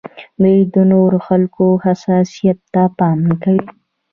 دوی د نورو خلکو حساسیت ته پام نه کوي.